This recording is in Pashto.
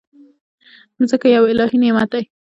مځکه یو الهي نعمت دی.